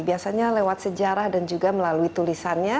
biasanya lewat sejarah dan juga melalui tulisannya